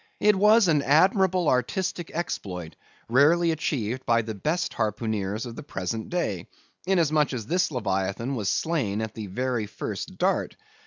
It was an admirable artistic exploit, rarely achieved by the best harpooneers of the present day; inasmuch as this Leviathan was slain at the very first dart.